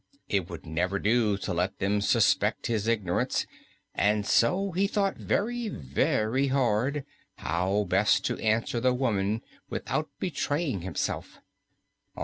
It would never do to let them suspect his ignorance, and so he thought very, very hard how best to answer the woman without betraying himself.